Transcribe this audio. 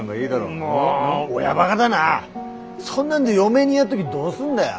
そんなんで嫁にやっとぎどうすんだよ。